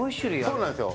そうなんですよ。